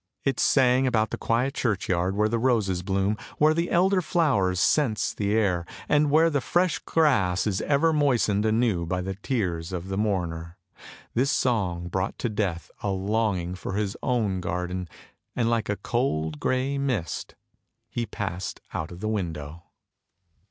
It sang about the quiet churchyard, where the roses bloom, where the elder flowers scents the air, and where the fresh grass is ever moistened anew by the tears of the mourner. This song brought to Death a longing for his own garden, and like a cold grey mist, he passed out of the window.